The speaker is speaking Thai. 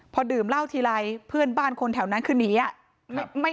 พอดื่มเหล้าทีไรเพื่อนบ้านคนแถวนั้นคือหนีอ่ะ